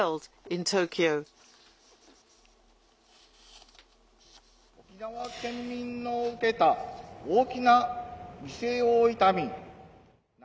沖縄県民の受けた大きな犠牲を悼み。